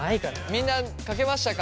みんな書けましたか？